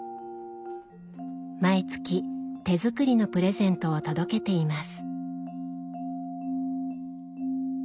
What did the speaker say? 毎月手作りのプレゼントを届けています。